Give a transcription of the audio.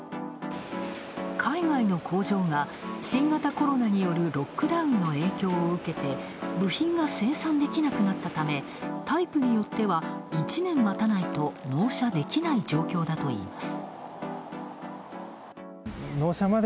海外の工場が新型コロナによるロックダウンの影響を受けて、部品が生産できなくなったため、タイプによっては、１年待たないと納車できない状況だといいます。